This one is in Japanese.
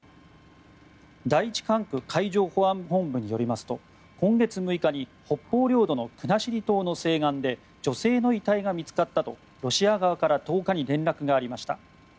第１管区海上保安本部によりますと今月６日に北方領土の国後島の西岸で女性の遺体が見つかったとロシア側から１０日に連絡がありました。